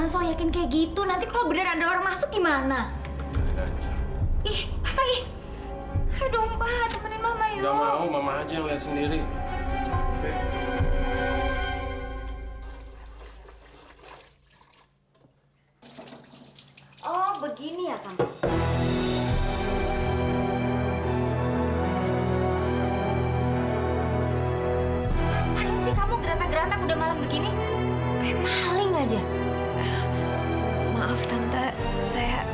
sampai jumpa di video selanjutnya